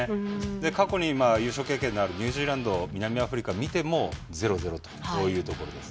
過去に優勝経験のあるニュージーランドと南アフリカを見ても０、０とそういうところです。